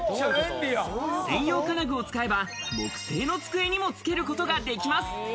専用金具を使えば木製の机にもつけることができます。